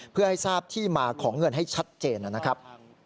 เพื่อให้ทราบที่มาของเงินให้ชัดเจนนะครับ